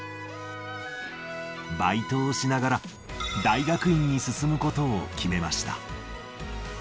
バイトをしながら、大学院に進むことを決めました。